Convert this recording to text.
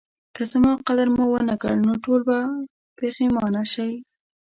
که زما قدر مو ونکړ نو ټول به پخیمانه شئ